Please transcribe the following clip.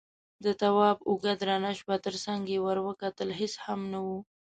د تواب اوږه درنه شوه، تر څنګ يې ور وکتل، هېڅ هم نه و.